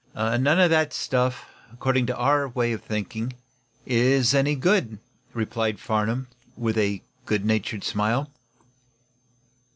"None of that stuff, according to our way of thinking, is any good," replied Farnum, with a good natured smile.